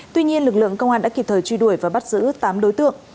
tuy nhiên lực lượng công an đã kịp thời truy đuổi và bắt giữ tám đối tượng